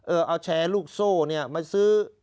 เอาแชร์ลูกโซ่เนี่ยมาซื้อ